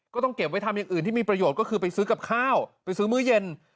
ก็ต้องเก็บไว้ทำอย่างอื่นที่มีประโยชน์ก็คือไปซื้อกับข้าวไปซื้อมื้อเย็น